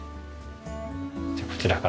じゃあこちらから。